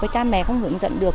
và cha mẹ không hướng dẫn được